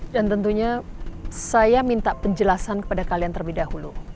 dan tentunya saya minta penjelasan kepada kalian terlebih dahulu